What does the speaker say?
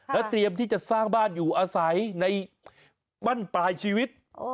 แล้วเตรียมที่จะสร้างบ้านอยู่อาศัยในบ้านปลายชีวิต